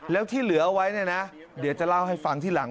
แล้วที่เหลือเอาไว้เนี่ยนะเดี๋ยวจะเล่าให้ฟังที่หลัง